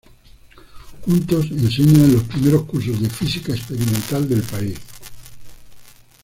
Juntos, enseñan en los primeros cursos de física experimental del país.